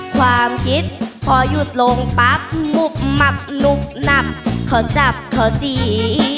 ความคิดพอหยุดลงปั๊บหมุบหมับลุกหนำเขาจับขอจี